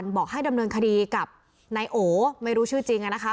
บอกให้ดำเนินคดีกับนายโอไม่รู้ชื่อจริงอะนะคะ